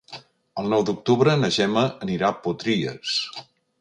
El nou d'octubre na Gemma anirà a Potries.